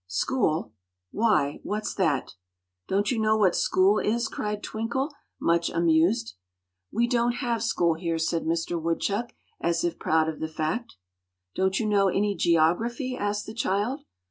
"School! Why, what's that?" "Don't you know what school is?" cried Twinkle, much amused. "We don't have school here," said Mister Woodchuck, as if proud of the fact. "Don't you know any geography?" asked the child.